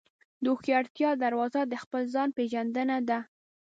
د هوښیارتیا دروازه د خپل ځان پېژندنه ده.